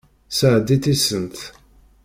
Sɛeddi tisent.